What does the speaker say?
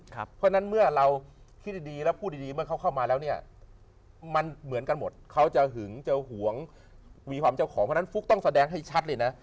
เพราะฉะนั้นเมื่อเราคิดดีแล้วพูดดีเมื่อเขาเข้ามาแล้วเนี่ยมันเหมือนกันหมดเขาจะหึงจะหวงมีความเจ้าของเพราะฉะนั้นฟุ๊กต้องแสดงให้ชัดเลยนะ